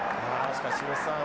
しかし廣瀬さん